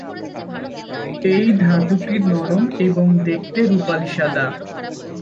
এই ধাতুটি নরম এবং দেখতে রুপালি সাদা।